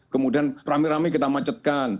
kemudian rame rame kita macetkan